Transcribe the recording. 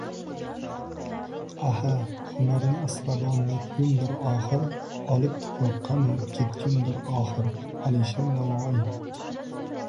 — Aha, hunarni asrabon netgumdur oxir, olib tuproqqamu ketgumdur oxir! Alisher Navoiy!